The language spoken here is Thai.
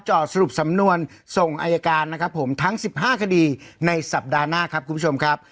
สรุปสำนวนส่งอายการนะครับผมทั้ง๑๕คดีในสัปดาห์หน้าครับคุณผู้ชมครับ